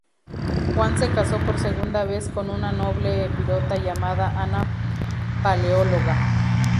Juan se caso por segunda vez con una noble epirota llamada Ana Paleóloga.